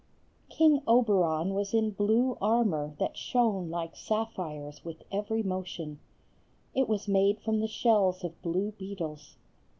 King Oberon was in blue armor that shone like sapphires with every motion; it was made from the shells of blue beetles.